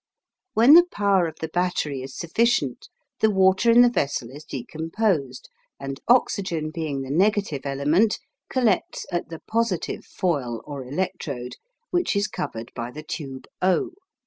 When the power of the battery is sufficient the water in the vessel is decomposed, and oxygen being the negative element, collects at the positive foil or electrode, which is covered by the tube O.